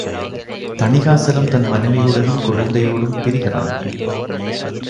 தணிகாசலம் தன் மனைவியுடனும் குழந்தையோடும் பிரிகிறான்.